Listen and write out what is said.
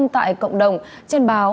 tại cộng đồng trên báo